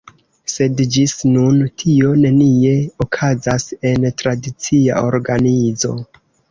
Sed ĝis nun tio nenie okazas en tradicia organizo.